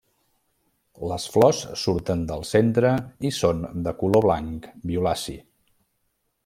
Les flors surten del centre i són de color blanc violaci.